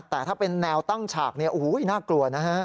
แต่ถ้าเป็นแนวตั้งฉากอูหูน่ากลัวนะฮะ